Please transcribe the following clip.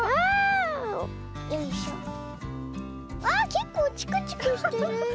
けっこうチクチクしてる。